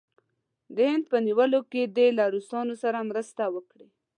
د هند په نیولو کې دې له روسانو سره مرسته وکړي.